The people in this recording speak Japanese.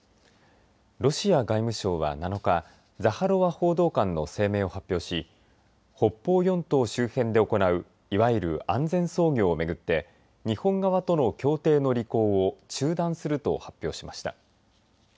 ロシア外務省は７日ザハロワ報道官の声明を発表し北方四島周辺で行ういわゆる安全操業を巡って日本側との協定の履行を中断すると発表しました。